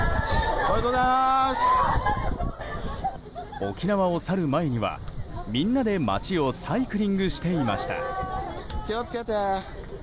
沖縄を去る前には、みんなで街をサイクリングしていました。